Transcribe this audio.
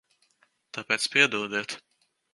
Tāpēc piedodiet.